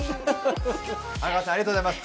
阿川さん、ありがとうございます。